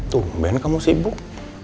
tuh ben kamu sibuk